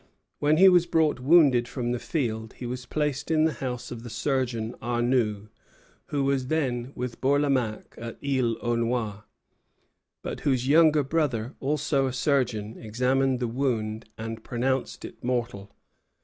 When he was brought wounded from the field, he was placed in the house of the Surgeon Arnoux, who was then with Bourlamaque at Isle aux Noix, but whose younger brother, also a surgeon, examined the wound and pronounced it mortal.